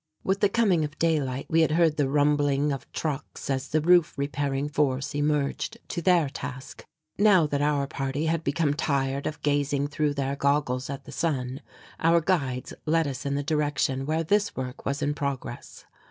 With the coming of daylight we had heard the rumbling of trucks as the roof repairing force emerged to their task. Now that our party had become tired of gazing through their goggles at the sun, our guides led us in the direction where this work was in progress.